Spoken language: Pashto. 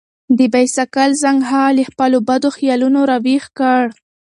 د بایسکل زنګ هغه له خپلو بدو خیالونو راویښ کړ.